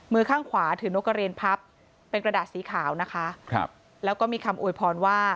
มือข้างขวาถือนกกระเรียนพับเป็นกระดาษสีขาวนะคะครับแล้วก็มีคำอวยพรว่า